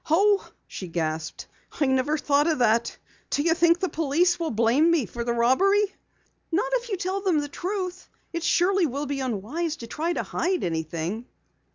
"Oh!" she gasped. "I never thought of that! Do you think the police will blame me for the robbery?" "Not if you tell them the truth. It surely will be unwise to try to hide anything."